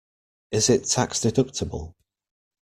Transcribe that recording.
Is it tax-deductible?